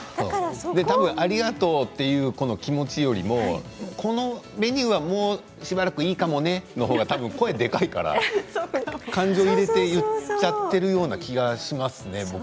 ありがとうという気持ちよりもこのメニューはもうしばらくいいかもねのほうが声がでかいから感情入れて言っちゃっているような気がしますね。